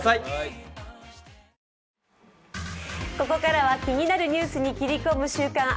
ここからは気になるニュースに切り込む「週刊！